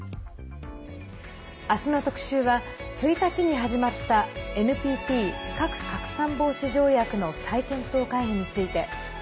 明日の特集は１日に始まったＮＰＴ＝核拡散防止条約の再検討会議について。